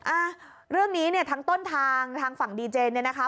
อ่าเรื่องนี้เนี่ยทางต้นทางทางฝั่งดีเจนเนี่ยนะคะ